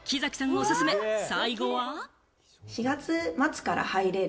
おすすめ、最後は。